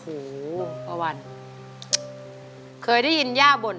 คนที่สองชื่อน้องก็เอาหลานมาให้ป้าวันเลี้ยงสองคน